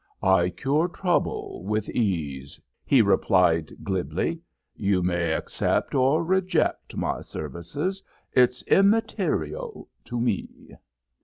"I cure trouble with ease," he replied glibly. "You may accept or reject my services. It's immaterial to me."